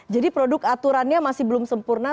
jadi produk aturannya masih belum sempurna